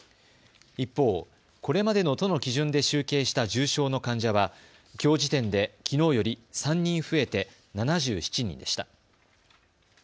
一方、これまでの都の基準で集計した重症の患者はきょう時点で、きのうより３人増えて７７人でした。